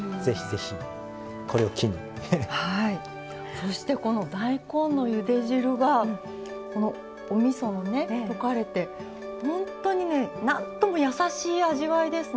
そしてこの大根のゆで汁がおみそのね溶かれて本当にねなんともやさしい味わいですね。